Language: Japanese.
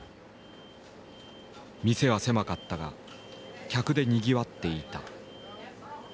店は狭かったが客でにぎわっていた。